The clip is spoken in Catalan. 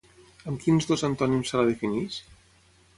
Amb quins dos antònims se la defineix?